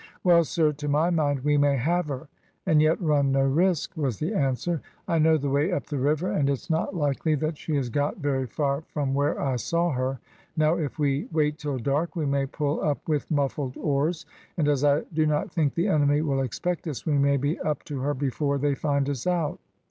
"Well, sir, to my mind, we may have her, and yet run no risk," was the answer. "I know the way up the river, and it's not likely that she has got very far from where I saw her. Now, if we wait till dark, we may pull up with muffled oars, and as I do not think the enemy will expect us, we may be up to her before they find us out.